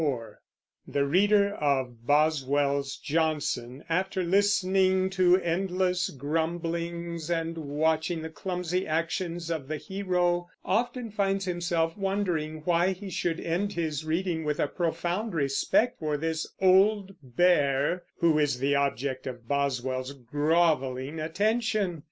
SAMUEL JOHNSON (1709 1784) The reader of Boswell's Johnson, after listening to endless grumblings and watching the clumsy actions of the hero, often finds himself wondering why he should end his reading with a profound respect for this "old bear" who is the object of Boswell's groveling attention.